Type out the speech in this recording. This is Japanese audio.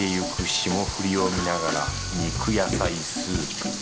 霜降りを見ながら肉野菜スープ。